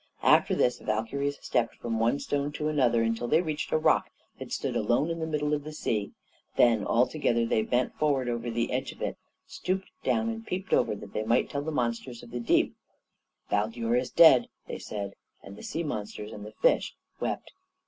After this the Valkyries stepped from one stone to another until they reached a rock that stood alone in the middle of the sea; then, all together, they bent forward over the edge of it, stooped down and peeped over, that they might tell the monsters of the deep. "Baldur is dead!" they said, and the sea monsters and the fish wept.